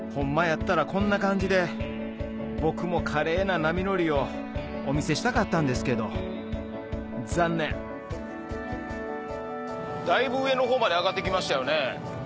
やったらこんな感じで僕も華麗な波乗りをお見せしたかったんですけど残念だいぶ上の方まで上がってきましたよね。